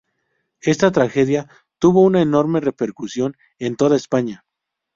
Esta tragedia tuvo una enorme repercusión en toda España.